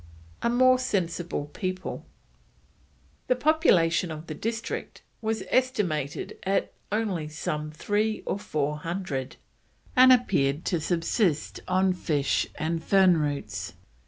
A MORE SENSIBLE PEOPLE. The population of the district was estimated at only some three or four hundred, and appeared to subsist on fish and fern roots.